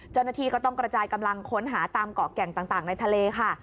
เจ้าหน้าที่ก็ต้องกระจายกำลังค้นหาตามเกาะแก่งต่างในทะเลค่ะ